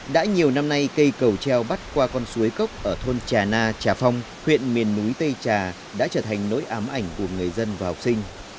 đã nhiều năm nay cây cầu treo bắt qua con suối cốc ở thôn trà na trà phong huyện miền núi tây trà đã trở thành nỗi ám ảnh của người dân và học sinh